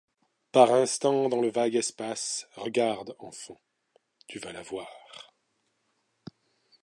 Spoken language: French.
Par instant, dans le vague espace, Regarde, enfant ! tu vas la voir !